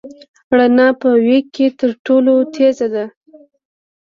رڼا په وېګ کي تر ټولو تېزه ده.